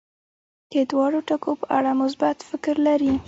د دواړو ټکو په اړه مثبت فکر لري.